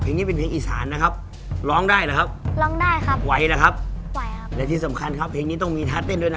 นี่แหละท่าที่เราจะต้องหากินน่ะ